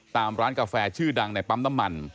ตามร้านกาแฟชื่อดังในปั๊มน้ำมัน